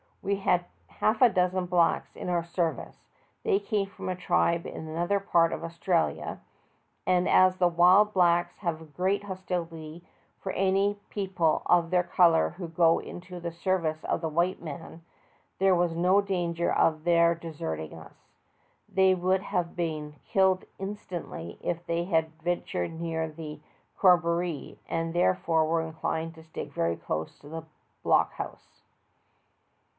We had half a dozen blacks in our serv ice; they came from a tribe in another part of Australia, and as the wild blacks have a great hostilit}^ for any people of their color who go into the service of the white man, there was no danger of their deserting us. They would have been killed instantly if they had ventured near the cor roboree, and therefore were inclined to vStick very close to the block homse.